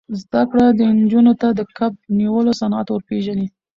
زده کړه نجونو ته د کب نیولو صنعت ور پېژني.